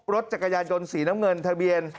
รถจักรยานยนต์สีน้ำเงิน